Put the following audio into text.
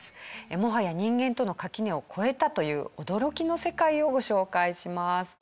もはや人間との垣根を越えたという驚きの世界をご紹介します。